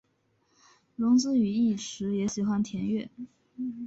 荣子与义持也喜欢田乐。